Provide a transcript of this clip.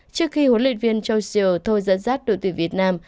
trước khi hồn luyện viên jozier thôi dẫn dắt đội tuyển việt nam